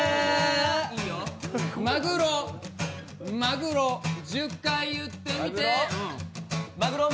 マグロ、マグロ、１０回言ってみて。